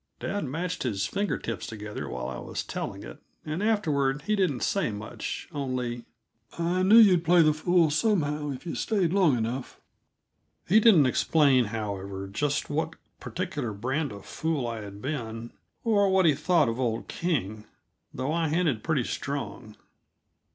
Dad matched his finger tips together while I was telling it, and afterward he didn't say much; only: "I knew you'd play the fool somehow, if you stayed long enough." He didn't explain, however, just what particular brand of fool I had been, or what he thought of old King, though I hinted pretty strong.